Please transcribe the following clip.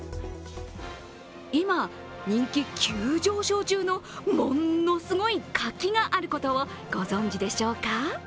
今人気急上昇中のもんのすごい柿があることをご存じでしょうか？